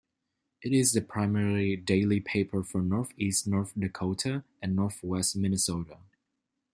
It is the primary daily paper for northeast North Dakota and northwest Minnesota.